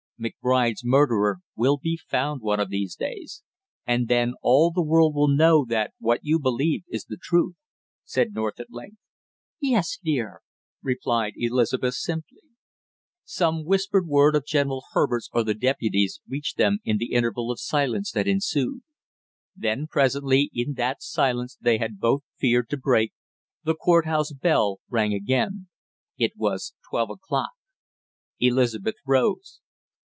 "McBride's murderer will be found one of these days, and then all the world will know that what you believe is the truth," said North at length. "Yes, dear," replied Elizabeth simply. Some whispered word of General Herbert's or the deputy's reached them in the interval of silence that ensued. Then presently in that silence they had both feared to break, the court house bell rang again. It was twelve o'clock. Elizabeth rose.